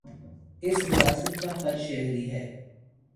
اس ریاست کا ہر شہری ہے